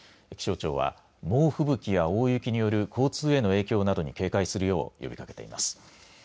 気象庁は猛吹雪や大雪による交通への影響などに警戒を呼びかけています。